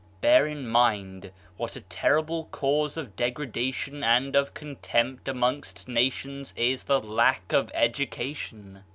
Bear in mind, what a terrible cause of degra dation and of contempt amongst nations is the lack of education!